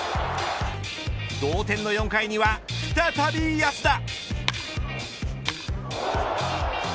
同点の４回には再び安田。